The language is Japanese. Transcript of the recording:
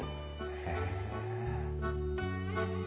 へえ。